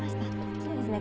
そうですね。